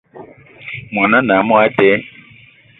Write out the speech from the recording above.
Món ané a monatele